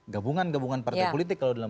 gabungan gabungan partai politik kalau dalam